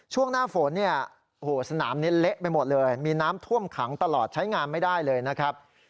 ช่วงหน้าฝนเนี่ยโอ้โหสนามนี้เละไปหมดเลยมีน้ำท่วมขังตลอดใช้งานไม่ได้เลยนะครับ